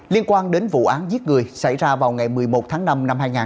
liên quan đến vụ án giết người xảy ra vào ngày một mươi một tháng năm năm hai nghìn hai mươi ba